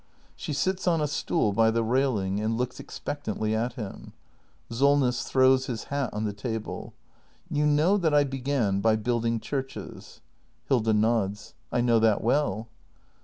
[She sits on a stool by the railing, and looks expec tantly at him. Solness. [Throws his hat on the table, .] You know that I began by building churches. Hilda. [Nods.] I know that well.